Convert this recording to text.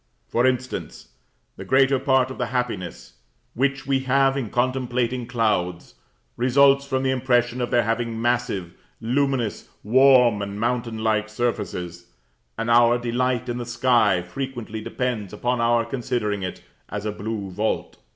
For instance, the greater part of the happiness which we have in contemplating clouds, results from the impression of their having massive, luminous, warm, and mountain like surfaces; and our delight in the sky frequently depends upon our considering it as a blue vault.